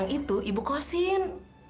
yang itu ibu kosin